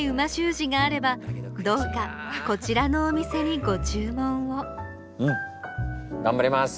字があればどうかこちらのお店にご注文をうん頑張ります。